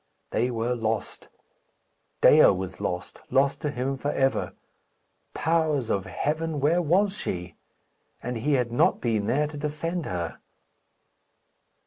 They were lost; Dea was lost lost to him for ever. Powers of heaven! where was she? And he had not been there to defend her!